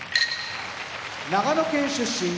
長野県出身